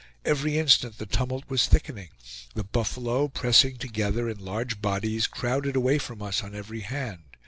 Every instant the tumult was thickening. The buffalo, pressing together in large bodies, crowded away from us on every hand.